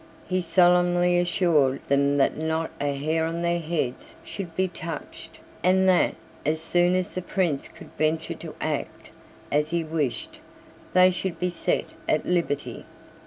He solemnly assured them that not a hair of their heads should be touched, and that, as soon as the Prince could venture to act as he wished, they should be set at liberty.